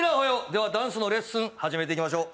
では、ダンスのレッスン始めていきましょう。